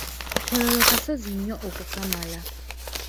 Tororo kasozi nnyo okukamala.